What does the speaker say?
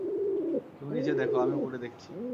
তুমি নিচে দেখ, আমি উপরে দেখছি।